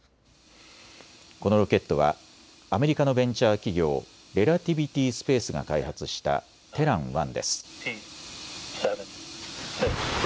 このロケットはアメリカのベンチャー企業、レラティビティー・スペースが開発したテラン１です。